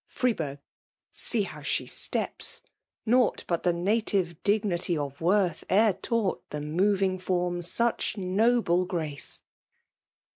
Fre^ See how she at«ps \ Nought but the native dignity of worth E^et teUght the moving form tuth noble grace.